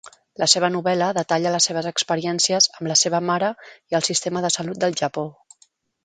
La seva novel·la detalla les seves experiències amb la seva mare i el sistema de salut del Japó.